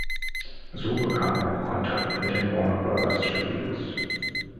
So bekam er auch Kontakt mit den Warner-Brothers-Studios.